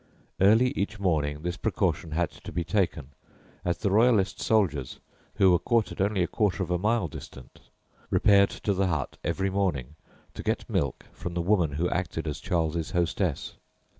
Early each morning this precaution had to be taken, as the Royalist soldiers, who were quartered only a quarter of a mile distant, repaired to the hut every morning to get milk from the woman who acted as Charles's hostess.